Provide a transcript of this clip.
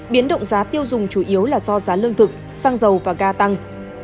biến động giá tiêu dùng chủ yếu là do giá lương thực xăng dầu và ga tăng